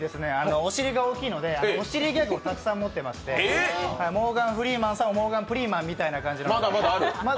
お尻が大きいので、お尻ギャグ、たくさん持ってましてモーガンフリーマンさんをモーガンプリーマンみたいな感じの。